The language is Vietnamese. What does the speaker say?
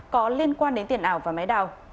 có liên quan đến tiền ảo và máy đào